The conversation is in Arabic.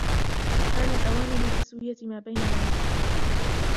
آن الأوان لتسوية ما بيننا من حساب.